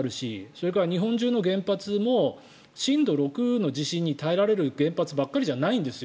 それから日本中の原発も震度６の地震に耐えられる原発ばかりじゃないんです。